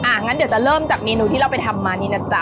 งั้นเดี๋ยวจะเริ่มจากเมนูที่เราไปทำมานี่นะจ๊